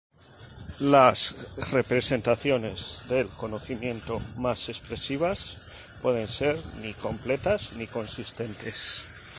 Las representaciones del conocimiento más expresivas pueden ser ni completas ni consistentes.